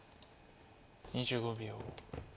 ２５秒。